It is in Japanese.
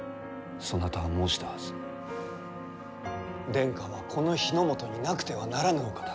殿下はこの日ノ本になくてはならぬお方。